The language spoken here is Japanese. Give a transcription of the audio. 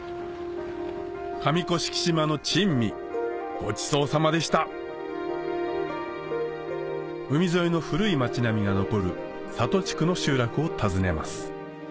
上甑島の珍味ごちそうさまでした海沿いの古い町並みが残る里地区の集落を訪ねます